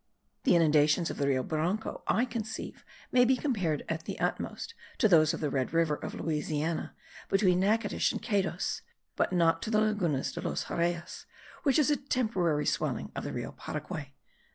The inundations of the Rio Branco, I conceive, may be compared at the utmost to those of the Red River of Louisiana, between Nachitoches and Cados, but not to the Laguna de los Xarayes, which is a temporary swelling of the Rio Paraguay.